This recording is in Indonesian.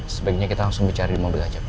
sebaiknya kita langsung mencari mobil aja pak